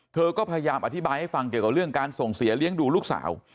เธอก็พยายามอธิบายให้ฟังเกี่ยวกับเรื่องการส่งเสียเลี้ยงดูลูกสาว